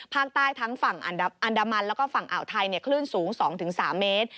ภาคใต้ทั้งฝั่งอันดามันแล้วก็ฝั่งอ่าวไทยคลื่นสูง๒๓เมตร